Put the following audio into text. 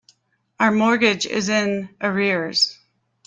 Our mortgage is in arrears.